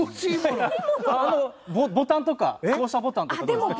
あのボタンとか降車ボタンとかどうですか？